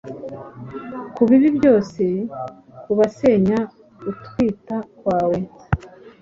Kubibi byose kubasenya gutwita kwawe